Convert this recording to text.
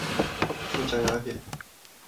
塑膠鴉片